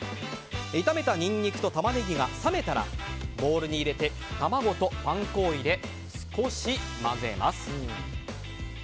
炒めたニンニクとタマネギが冷めたらボウルに入れて卵とパン粉を入れ、少し混ぜます。